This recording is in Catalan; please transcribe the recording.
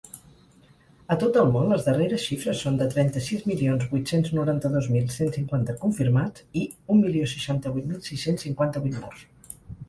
A tot el món, les darreres xifres són de trenta-sis milions vuit-cents noranta-dos mil cent cinquanta confirmats i un milió seixanta-vuit mil sis-cents cinquanta-vuit morts.